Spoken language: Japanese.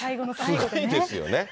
すごいですよね。